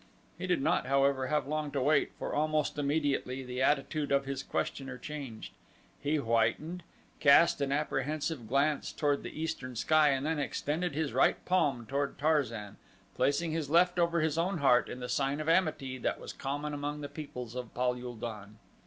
He did not, however, have long to wait for almost immediately the attitude of his questioner changed. He whitened, cast an apprehensive glance toward the eastern sky and then extended his right palm toward Tarzan, placing his left over his own heart in the sign of amity that was common among the peoples of Pal ul don.